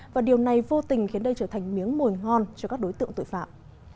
và điều này vô tình khiến đây trở thành miếng mồi ngon cho các đối tượng tội phạm